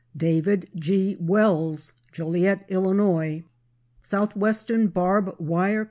David G. Wells, Joliet, Ill. Southwestern Barb Wire Co.